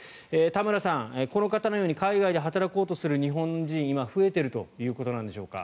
田村さん、この方のように海外で働こうとする日本人が今、増えているということなんでしょうか。